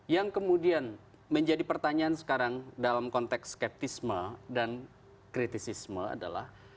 yang kemudian menjadi pertanyaan sekarang dalam konteks skeptisme dan kritisisme adalah